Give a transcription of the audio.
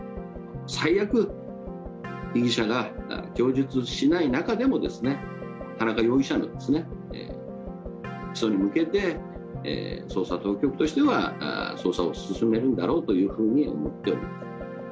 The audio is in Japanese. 最悪、被疑者が供述しない中でもですね、田中容疑者の起訴に向けて、捜査当局としては捜査を進めるんだろうというふうに思っておりま